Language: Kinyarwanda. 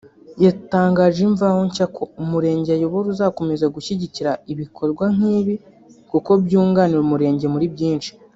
yatangarije Imvaho Nshya ko umurenge ayobora uzakomeza gushyigikira ibi korwa nk’ibi kuko byunganira umurenge muri byinshi